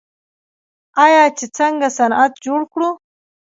آیا چې څنګه صنعت جوړ کړو؟